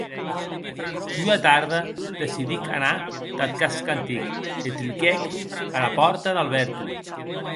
Ua tarde, decidic anar tath casc antic, e truquèc ara pòrta d'Alberto.